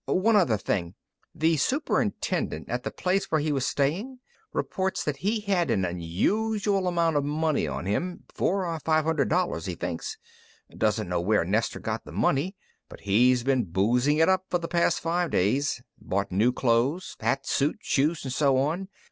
"One other thing: The superintendent at the place where he was staying reports that he had an unusual amount of money on him four or five hundred dollars he thinks. Doesn't know where Nestor got the money, but he's been boozing it up for the past five days. Bought new clothes hat, suit, shoes, and so on.